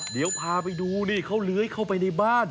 เดี๋ยวพาไปดูนี่เขาเลื้อยเข้าไปในบ้าน